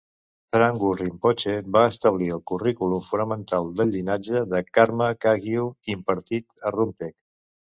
Thrangu Rinpoche va establir el currículum fonamental del llinatge de Karma Kagyu impartit a Rumtek.